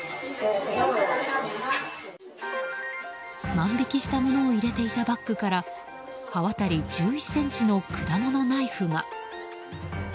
万引きしたものを入れていたバッグから刃渡り１１ｃｍの果物ナイフが。